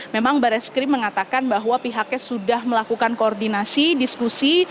memang barreskrim mengatakan bahwa pihaknya sudah melakukan koordinasi diskusi